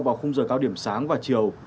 vào khung giờ cao điểm sáng và chiều